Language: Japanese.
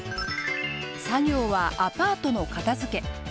作業はアパートの片づけ。